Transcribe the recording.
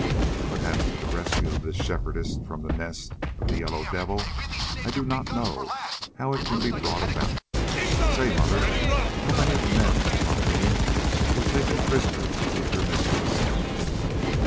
But as to the rescue of this Shepherdess from the Nest of the Yellow Devil, I do not know how it can be brought about. Say, mother, how many of the men of Mavoom were taken prisoners with your mistress?"